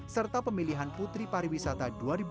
serta pemilihan putri pariwisata dua ribu dua puluh